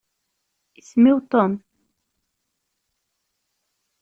Isem-iw Tom.